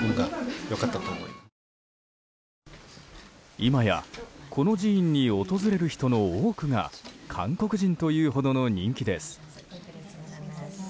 今やこの寺院に訪れる人の多くが韓国人というほどの人気です。